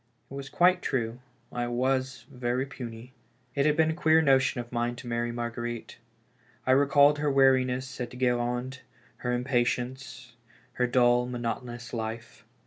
It was quite true. I was very puny. It had been a queer notion of mine to marry Marguerite. I recalled her weariness at Guerande, her impatience, her 278 BACK FROM THE GRAVE. dull, monotonous life.